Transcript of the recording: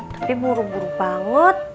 tapi buru buru banget